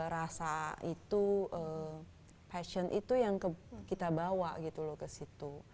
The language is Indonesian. rasa itu passion itu yang kita bawa gitu loh ke situ